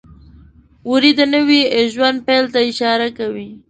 وری د نوي ژوند پیل ته اشاره کوي.